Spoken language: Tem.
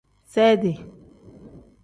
Seedi.